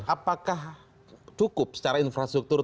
apakah cukup secara infrastruktur